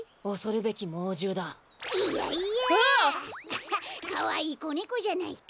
アハッかわいいこねこじゃないか。